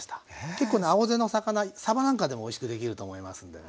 結構ね青背の魚さばなんかでもおいしくできると思いますんでね。